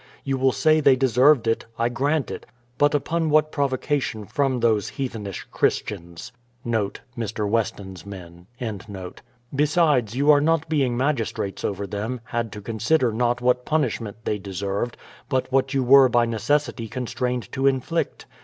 You will say they deserved it. I grant it; but upon what provocation from those heathenish Christians?* Besides, you not being magistrates over them, had to consider not what punishment they deserved, but what you were by necessity constrained to infiict.